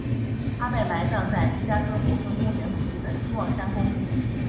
他被埋葬在芝加哥摩根公园附近的希望山公墓。